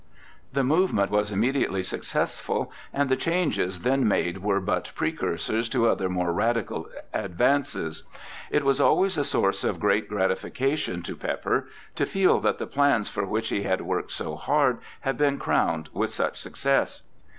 The movement was immediately successful, and the changes then made were but precursors to other more radical advances. It was always a source of great gratification to Pepper to feel that the plans for which he had worked so hard had been crowned with such success.